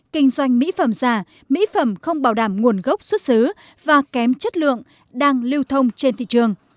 kinh doanh mỹ phẩm giả mỹ phẩm không bảo đảm nguồn gốc xuất xứ và kém chất lượng đang lưu thông trên thị trường